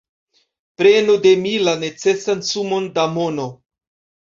Prenu de mi la necesan sumon da mono!